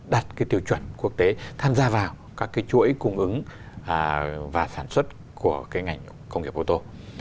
đặt cái tiêu chuẩn quốc tế tham gia vào các cái chuỗi cung ứng và sản xuất của cái ngành công nghiệp ô tô